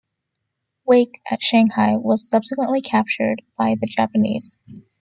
"Wake", at Shanghai, was subsequently captured by the Japanese.